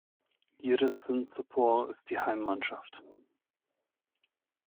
Giresunspor ist die Heimmannschaft.